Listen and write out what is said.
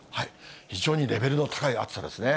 非常にレベルの高い暑さですね。